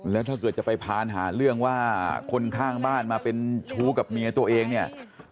แล้วถ้าเกิดจะไปพานหาเรื่องว่าคนข้างบ้านมาเป็นชู้กับเมียตัวเองเนี่ย